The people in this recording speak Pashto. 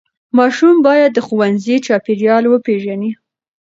ماشوم باید د ښوونځي چاپېریال وپیژني.